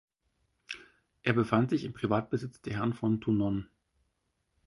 Er befand sich im Privatbesitz der Herren von Tournon.